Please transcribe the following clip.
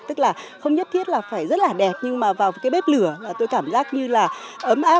tức là không nhất thiết là phải rất là đẹp nhưng mà vào cái bếp lửa tôi cảm giác như là ấm áp